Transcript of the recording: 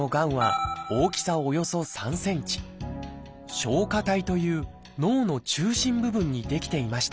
「松果体」という脳の中心部分に出来ていました。